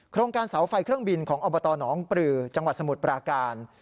การเสาไฟเครื่องบินของอบตหนองปลือจังหวัดสมุทรปราการ